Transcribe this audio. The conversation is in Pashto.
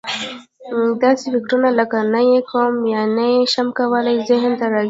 داسې فکرونه لکه: نه یې کوم یا نه یې شم کولای ذهن ته راځي.